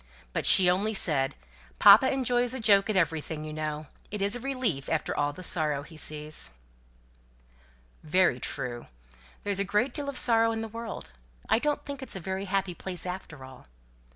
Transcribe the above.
But she only said, "Papa enjoys a joke at everything, you know. It is a relief after all the sorrow he sees." "Very true. There is a great deal of sorrow in the world. I don't think it's a very happy place after all.